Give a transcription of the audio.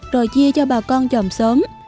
rồi chia cho bà con chồng xóm